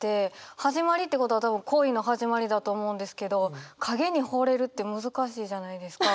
「始まり」ってことは多分恋の始まりだと思うんですけど影にほれるって難しいじゃないですか。